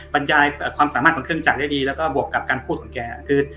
บรรยายความสามารถของเครื่องจักรได้ดีแล้วก็บวกกับการพูดของแกคือ